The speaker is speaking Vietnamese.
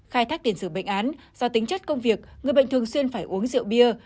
khai thác tiền sử bệnh án do tính chất công việc người bệnh thường xuyên phải uống rượu bia